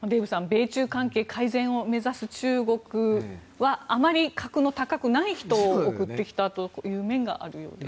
米中関係改善を目指す中国はあまり格の高くない人を送ってきたという面があるようです。